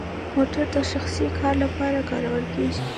موټر د شخصي کار لپاره کارول کیږي؟